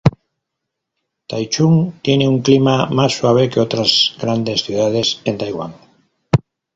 Taichung tiene un clima más suave que otras grandes ciudades en Taiwán.